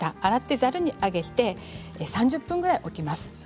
ざるに上げて３０分くらい置きます。